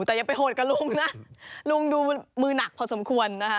แต่อย่าไปโหดกับลุงนะลุงดูมือหนักพอสมควรนะคะ